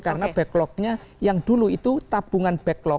karena backlognya yang dulu itu tabungan backlog